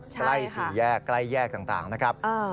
ใกล้สี่แยกใกล้แยกต่างนะครับ